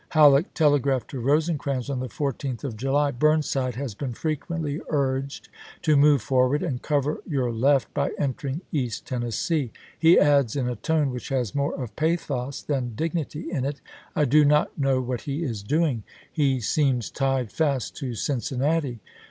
Hal 1863. leek telegraphed to Rosecrans on the 14th of July, " Burnside has been frequently urged to move for ward and cover your left by entering East Tennes see." He adds in a tone which has more of pathos XXIII.?' than dignity in it, "I do not know what he is p. 531." doing. He seems tied fast to Cincinnati."